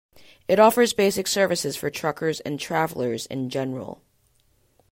It offers basic services for truckers and travelers in general.